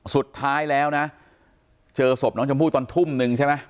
สุดท้ายแล้วนะเจอศพน้องชมพู่ตอนทุ่มนึงใช่ไหม